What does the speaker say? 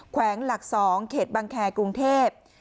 แขวงหลัก๒เขตบังแครกรุงเทพ